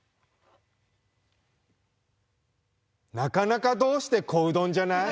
なかなかどうして小うどんじゃない？